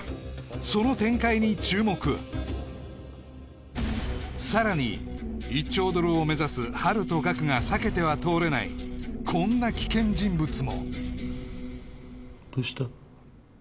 その展開に注目さらに１兆ドルを目指すハルとガクが避けては通れないこんな危険人物もどうした？